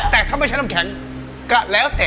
แต่ถ้าไม่ใช้น้ำแข็งก็แล้วแต่